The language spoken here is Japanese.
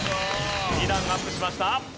２段アップしました。